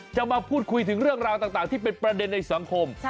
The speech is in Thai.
มาพูดคุยถึงเรื่องราวต่างที่เป็นประเด็นในสังคม